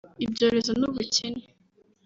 ibyorezo n’ubukene